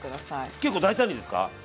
結構大胆にですか？